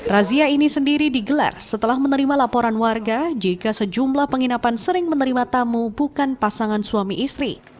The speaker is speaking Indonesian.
razia ini sendiri digelar setelah menerima laporan warga jika sejumlah penginapan sering menerima tamu bukan pasangan suami istri